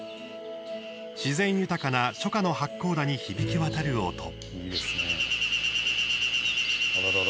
自然豊かな初夏の八甲田に響き渡る音。